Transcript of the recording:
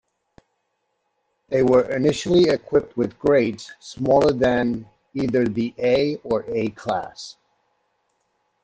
They were initially equipped with grates smaller than either the A or A class.